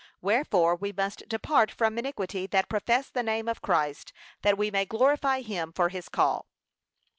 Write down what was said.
'Wherefore we must depart from iniquity that profess the name of Christ, that we may glorify him for his call.'